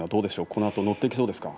このあと乗っていきそうですか？